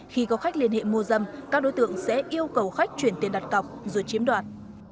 khi có khách liên hệ mua dâm các đối tượng sẽ yêu cầu khách chuyển tiền đặt cọc rồi chiếm đoạt